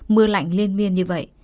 mưa lạnh liên miên như vậy